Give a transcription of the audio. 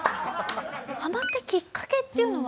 ハマったきっかけっていうのは？